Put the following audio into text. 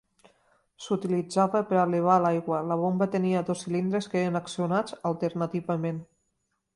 S'utilitzava per a elevar l'aigua: la bomba tenia dos cilindres que eren accionats alternativament.